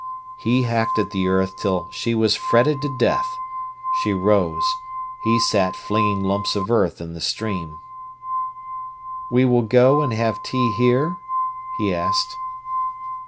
He hacked at the earth till she was fretted to death. She rose. He sat flinging lumps of earth in the stream. "We will go and have tea here?" he asked.